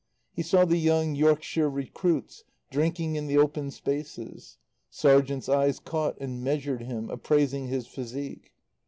He saw the young Yorkshire recruits drinking in the open spaces. Sergeants' eyes caught and measured him, appraising his physique.